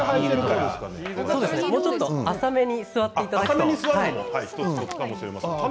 もうちょっと浅めに座っていただければ。